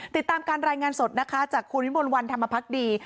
ติดตามการรายงานสดนะคะจากคุณวิมลวันธรรมพักดี